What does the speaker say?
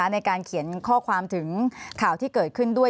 ในการเขียนข้อความถึงข่าวที่เกิดขึ้นด้วย